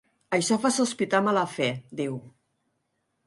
Això fa sospitar mala fe, diu.